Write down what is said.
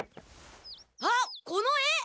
あっこの絵！